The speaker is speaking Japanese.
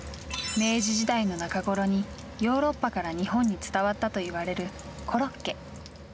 明治時代の中頃にヨーロッパから日本に伝わったと言われるコロッケ。